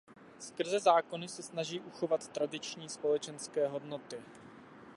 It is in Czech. Skrze zákony se snaží uchovat tradiční společenské hodnoty.